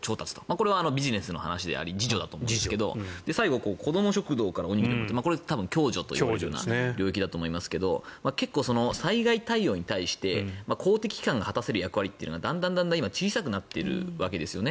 これはビジネスの話であり自助だと思うんですが最後、子ども食堂からおにぎりをとこれは共助の領域だと思いますが結構、災害対応に対して公的機関が果たせる役割というのがだんだん今小さくなっているわけですよね。